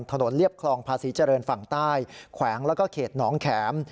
เรียบคลองภาษีเจริญฝั่งใต้แขวงแล้วก็เขตหนองแข็ม